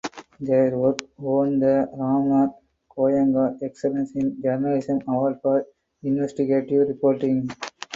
Their work won the Ramnath Goenka Excellence in Journalism Award for investigative reporting.